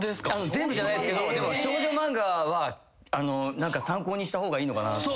全部じゃないですけど少女漫画は参考にした方がいいのかなって。